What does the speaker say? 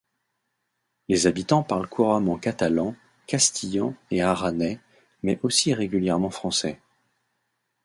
Les habitants parlent couramment catalan, castillan et aranais, mais aussi régulièrement français.